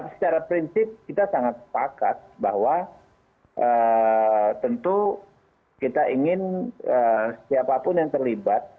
secara prinsip kita sangat sepakat bahwa tentu kita ingin siapapun yang terlibat